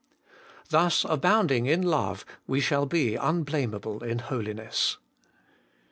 Thus abounding in love, we shall be unblameable in holiness.